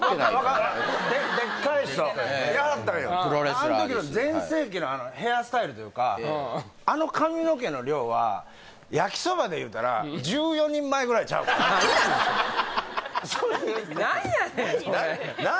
あん時の全盛期のヘアスタイルというかあの髪の毛の量はやきそばでいうたら１４人前ぐらいちゃうかな何やのそれ何やねん？